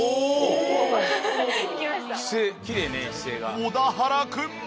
小田原君も。